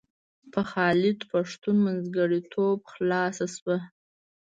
په خالد پښتون منځګړیتوب خلاصه شوه.